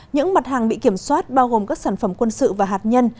những mặt hàng bị kiểm soát bao gồm các sản phẩm quân sự và hạt nhân